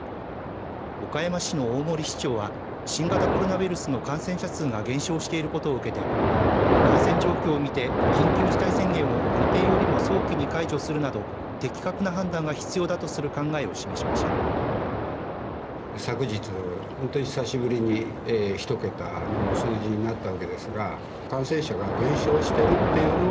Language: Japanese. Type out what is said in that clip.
岡山市の大森市長は新型コロナウイルスの感染者数が減少していることを受けて感染状況を見て緊急事態宣言を予定よりも早期に解除するなど的確な判断が必要だとする考えを示しました。